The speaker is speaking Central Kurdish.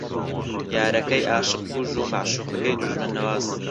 یارەکەی عاشق کوژ و مەعشووقەکەی دوژمن نەواز